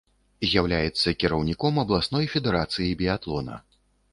З'яўляецца кіраўніком абласной федэрацыі біятлона.